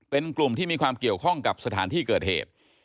เป็นกลุ่มที่มีความเกี่ยวข้องกับสถานที่เกิดเหตุ